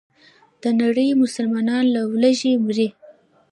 دنړۍ مسلمانان له ولږې مري.